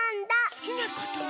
すきなことね？